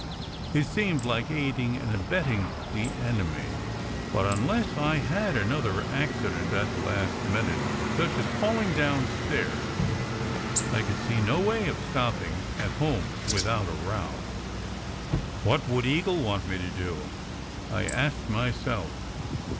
It seemed like aiding and abetting the enemy, but unless I had another accident at the last minute, such as falling downstairs, I could see no way of stopping at home without a row. What would Eagle want me to do? I asked myself.